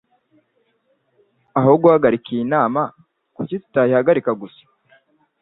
Aho guhagarika iyi nama, kuki tutayihagarika gusa?